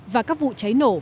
và các vụ cháy nổ